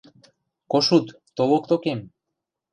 Кошут, толок токем...